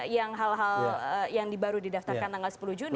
yang hal hal yang baru didaftarkan tanggal sepuluh juni